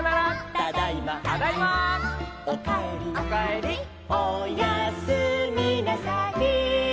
「ただいま」「」「おかえり」「」「おやすみなさい」